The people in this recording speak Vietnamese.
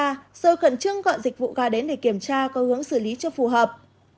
rồi khẩn trương gọi dịch vụ gà đến để kiểm tra có hướng xử lý cho phù hợp